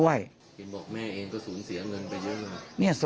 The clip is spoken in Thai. เห็นบอกแม่เองก็สูญเสียเงินไปเยอะเลย